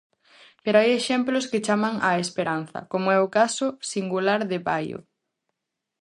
Pero hai exemplos que chaman á esperanza, como é o caso singular de Baio.